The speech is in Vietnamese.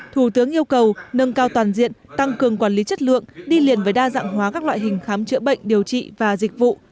thủ tướng yêu cầu nâng cao toàn diện tăng cường quản lý chất lượng đi liền với đa dạng hóa các loại hình khám chữa bệnh điều trị và dịch vụ